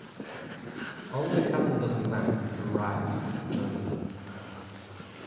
Only a couple dozen men arrive to join them.